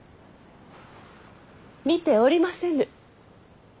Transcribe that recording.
見ておりませぬ。